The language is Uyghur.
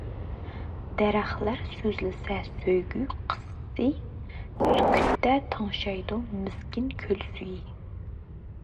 دەرەخلەر سۆزلىسە سۆيگۈ قىسسىسى، سۈكۈتتە تىڭشايدۇ مىسكىن كۆل سۈيى.